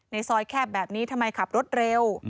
ซอยแคบแบบนี้ทำไมขับรถเร็ว